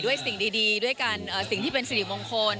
สิ่งดีด้วยกันสิ่งที่เป็นสิริมงคล